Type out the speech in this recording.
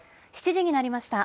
７時になりました。